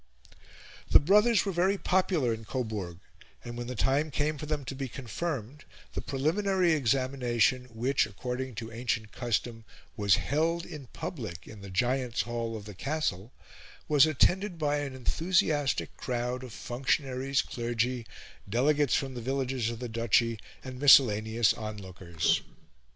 The brothers were very popular in Coburg, and, when the time came for them to be confirmed, the preliminary examination which, according to ancient custom, was held in public in the "Giants' Hall" of the Castle, was attended by an enthusiastic crowd of functionaries, clergy, delegates from the villages of the duchy, and miscellaneous onlookers.